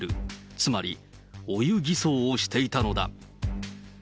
つまりお湯偽装をしていたのだ。